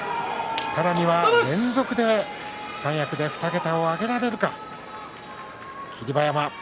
さらには、連続で三役で２桁を挙げられるか霧馬山。